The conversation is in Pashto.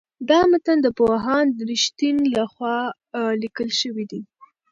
دا متن د پوهاند رښتین لخوا لیکل شوی دی.